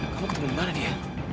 kamu ketemu dimana dia